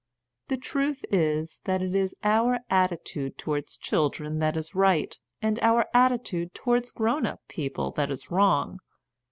The truth is that it is our attitude towards children that is right, and our attitude towards grown up people that is wrong.